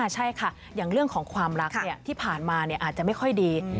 ใช่ค่ะอย่างเรื่องของความรักที่ผ่านมาอาจจะไม่ค่อยดี